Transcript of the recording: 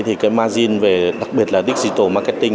thì margin về đặc biệt là digital marketing